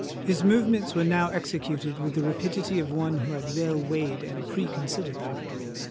His movements were now executed with the rapidity of one who had well weighed and pre considered them.